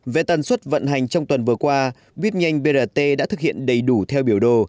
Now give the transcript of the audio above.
về tần suất vận hành trong tuần vừa qua bít nhanh brt đã thực hiện đầy đủ theo biểu đồ